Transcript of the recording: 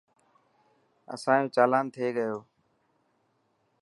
اسانيو چالان ٿي گيو.